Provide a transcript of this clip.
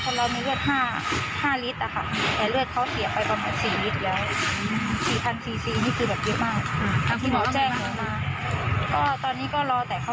ตอนนี้ก็รอแต่เขาฟื้นอย่างเดียวแล้วก็ดูว่าปอดจะมีเลือดคุณหมอว่าตอนนี้ยังมีเลือดออกอยู่